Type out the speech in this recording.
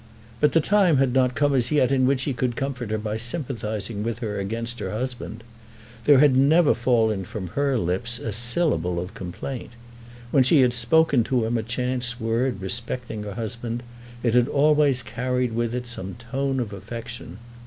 But the time had not come as yet in which he could comfort her by sympathising with her against her husband. There had never fallen from her lips a syllable of complaint. When she had spoken to him a chance word respecting her husband, it had always carried with it some tone of affection.